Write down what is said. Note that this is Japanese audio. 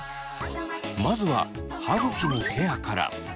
まずは歯ぐきのケアから。